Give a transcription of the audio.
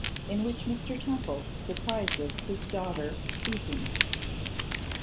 In Which Mr. Temple Surprises His Daughter Weeping.